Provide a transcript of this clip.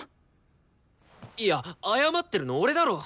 いや謝ってるの俺だろ。